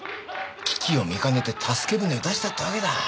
危機を見かねて助け舟を出したってわけだ。